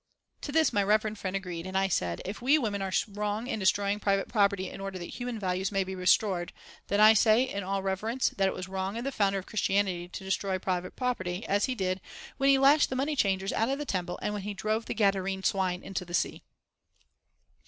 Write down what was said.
To this my reverend friend agreed, and I said: "If we women are wrong in destroying private property in order that human values may be restored, then I say, in all reverence, that it was wrong for the Founder of Christianity to destroy private property, as He did when He lashed the money changers out of the Temple and when He drove the Gaderene swine into the sea."